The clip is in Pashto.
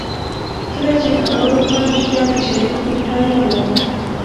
کله چې هوا روښانه شوه د شريف موټر نه و.